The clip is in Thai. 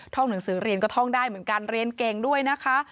หนังสือเรียนก็ท่องได้เหมือนกันเรียนเก่งด้วยนะคะ